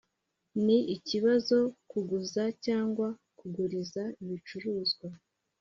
ni ikibazo ku kuguza cyangwa kuguriza ibicuruzwa